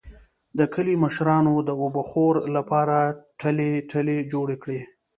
د کلي مشرانو د اوبهخور لپاره ټلۍ ټلۍ جوړې کړې.